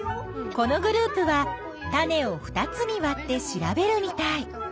このグループは種を２つにわって調べるみたい。